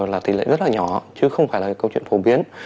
là tỷ lệ rất là nhỏ chứ không phải là câu chuyện phổ biến